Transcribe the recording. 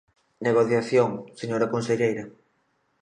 Negociación, señora conselleira.